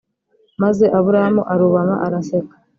Maze Aburahamu arubama araseka